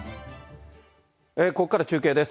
ここから中継です。